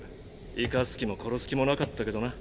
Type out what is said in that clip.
生かす気も殺す気もなかったけどな。